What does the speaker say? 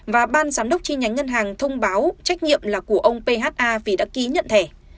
và ban giám đốc chi nhánh ngân hàng thông báo trách nhiệm là của ông phha vì đã ký nhận thẻ